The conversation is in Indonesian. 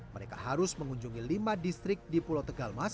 mereka harus mengunjungi lima distrik di pulau tegalmas